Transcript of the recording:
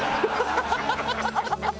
ハハハハ！